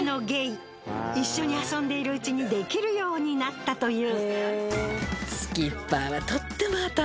一緒に遊んでいるうちにできるようになったという。